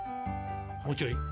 もうちょい？